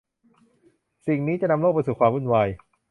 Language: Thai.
สิ่งนี้จะนำโลกไปสู่ความวุ่นวาย